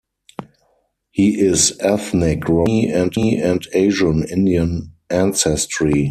He is ethnic Romani and Asian Indian ancestry.